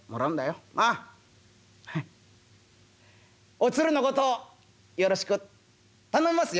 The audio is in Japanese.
お鶴の事よろしく頼みますよ。